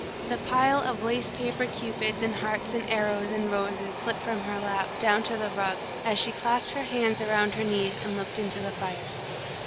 The pile of lace paper cupids and hearts and arrows and roses slipped from her lap, down to the rug, as she clasped her hands around her knees and looked into the fire.